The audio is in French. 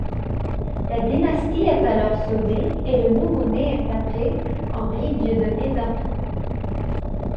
La dynastie est alors sauvée et le nouveau-né est appelé Henri Dieudonné d'Artois.